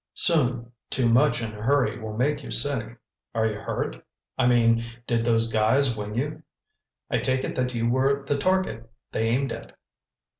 "Soon—too much in a hurry will make you sick. Are you hurt? I mean, did those guys wing you? I take it that you were the target they aimed at."